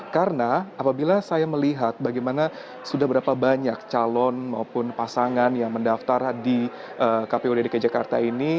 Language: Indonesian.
karena apabila saya melihat bagaimana sudah berapa banyak calon maupun pasangan yang mendaftar di kpud dki jakarta ini